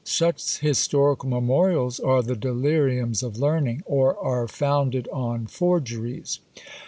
Such historical memorials are the deliriums of learning, or are founded on forgeries.